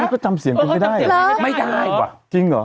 นี่ก็ทำสินกันกันไม่ได้ว่ามั้ย